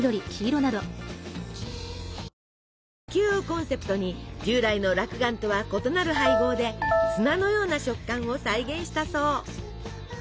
「砂丘」をコンセプトに従来のらくがんとは異なる配合で砂のような食感を再現したそう。